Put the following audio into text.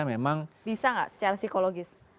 memang bisa nggak secara psikologis